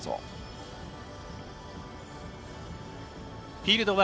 フィールドです。